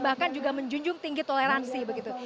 bahkan juga menjunjung tinggi toleransi begitu